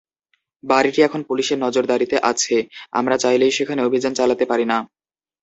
বাড়িটি এখন পুলিশের নজরদারিতে আছে আমরা চাইলেই সেখানে অভিযান চালাতে পারি না।